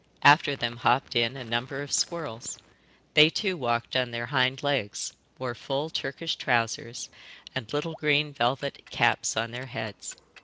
After them hopped in a number of squirrels. They too walked on their hind legs, wore full Turkish trousers, and little green velvet caps on their heads.